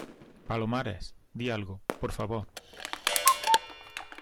palomares, di algo , por favor.